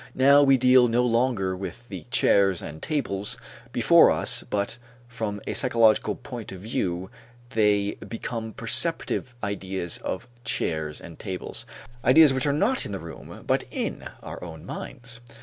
Now we deal no longer with the chairs and tables before us but from a psychological point of view they become perceptive ideas of chairs and tables, ideas which are not in the room but in our own minds.